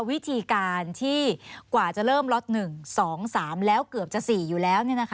วิธีการที่กว่าจะเริ่มล็อต๑๒๓แล้วเกือบจะ๔อยู่แล้ว